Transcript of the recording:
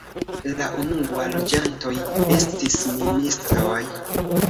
La unuaj loĝantoj estis ministoj.